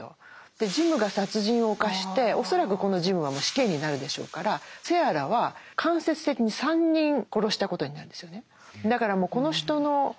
ジムが殺人を犯して恐らくこのジムは死刑になるでしょうからセアラは間接的に３人殺したことになるんですよね。